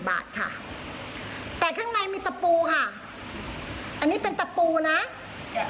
บาทค่ะแต่ข้างในมีตะปูค่ะอันนี้เป็นตะปูนะจ้ะ